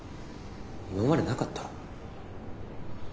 今までなかったろ。